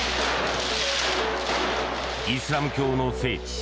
イスラム教の聖地